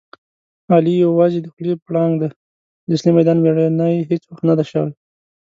علي یووازې د خولې پړانګ دی. د اصلي میدان مېړنی هېڅ وخت ندی شوی.